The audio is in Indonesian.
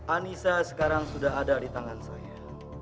anissa sekarang sudah ada di tangan saya